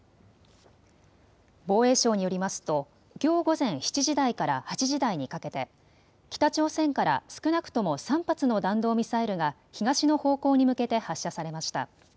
防衛省によりますときょう午前７時台から８時台にかけて北朝鮮から少なくとも３発の弾道ミサイルが東の方向に向けて発射されました。